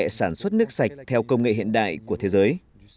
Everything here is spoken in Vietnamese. công nghệ sản xuất nước sạch theo công nghệ hiện đại của thế giới